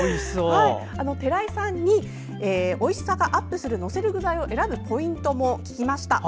寺井さんにおいしさがアップする載せる具材を選ぶポイントをお聞きしました。